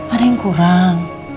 ada yang kurang